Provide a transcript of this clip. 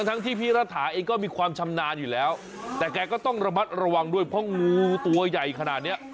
ทั้งที่พี่รัฐาเองก็มีความชำนาญอยู่แล้วแต่แกก็ต้องระมัดระวังด้วยเพราะงูตัวใหญ่ขนาดเนี้ย